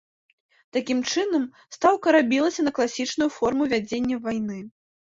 Такім чынам, стаўка рабілася на класічную форму вядзення вайны.